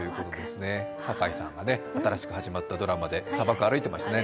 堺さんが新しく始まったドラマで砂漠、歩いてましたね。